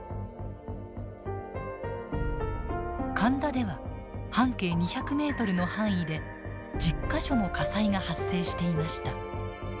神田では半径２００メートルの範囲で１０か所も火災が発生していました。